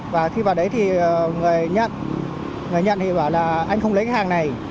và khi vào đấy thì người nhận thì bảo là anh không lấy cái hàng này